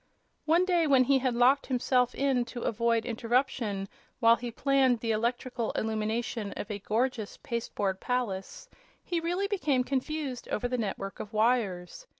One day when he had locked himself in to avoid interruption while he planned the electrical illumination of a gorgeous pasteboard palace, he really became confused over the network of wires.